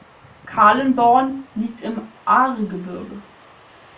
Kalenborn liegt im Ahrgebirge.